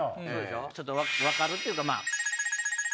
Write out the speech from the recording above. ちょっと分かるっていうかまぁ。